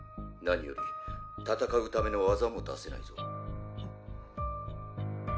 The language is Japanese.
「何より戦うための技も出せないぞ」